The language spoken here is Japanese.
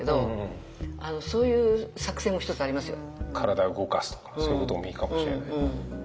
体を動かすとかそういうこともいいかもしれない。